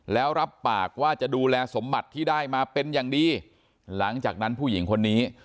แล้วรับปากว่าจะดูแลสมบัติที่ได้มาเป็นอย่างดีหลังจากนั้นผู้หญิงคนนี้